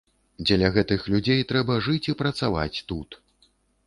Дзеля гэтых людзей трэба жыць і працаваць тут.